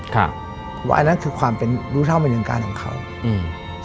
ครับว่าอันนั้นคือความเป็นรู้เท่าไม่ถึงการของเขาอืม